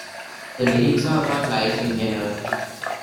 The lyrics are about life in general.